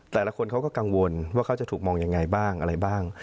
แต่ละคนเขาก็กังวลว่าเขาจะถูกมองยังไงบ้างอะไรบ้าง